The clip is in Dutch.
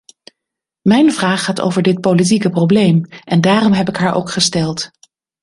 Mijn vraag gaat over dit politieke probleem, en daarom heb ik haar ook gesteld.